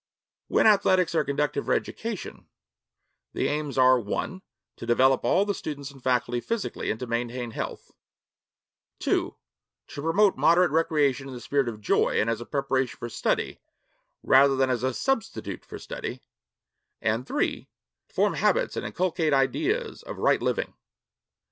When athletics are conducted for education the aims are (1) to develop all the students and faculty physically and to maintain health; (2) to promote moderate recreation in the spirit of joy, and as a preparation for study rather than as a substitute for study; and (3) to form habits and inculcate ideals of right living.